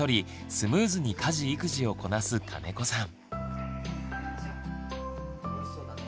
スムーズに家事育児をこなす金子さん。